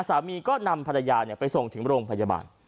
สามีก็นำภรรยาไปส่งถึงโรงพยาบาล